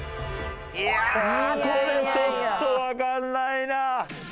いやこれちょっとわからないな。